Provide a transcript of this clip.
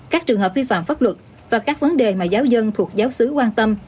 các trường hợp vi phạm pháp luật và các vấn đề mà giáo dân thuộc giáo sứ quan tâm